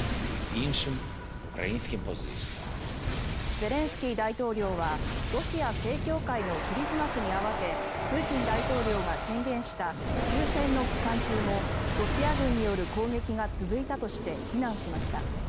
ゼレンスキー大統領はロシア正教会のクリスマスに合わせプーチン大統領が宣言した休戦の期間中もロシア軍による攻撃が続いたとして非難しました。